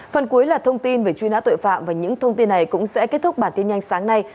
phần cuối là thông tin về truy nã tội phạm và những thông tin này cũng sẽ kết thúc bản tin nhanh sáng nay